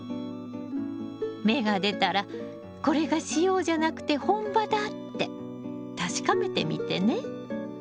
芽が出たらこれが子葉じゃなくて本葉だって確かめてみてね。